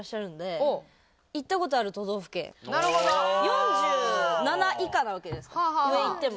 ４７以下なわけじゃないですか上いっても。